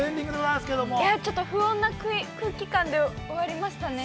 ◆いやちょっと不穏な空気感で終わりましたね。